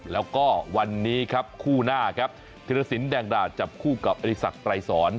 แล้วก็วันนี้ครับคู่หน้าครับธิรสินแดงดาจับคู่กับอริสักไกรสอน